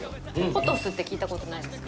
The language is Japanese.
ポトスって聞いたことないですか？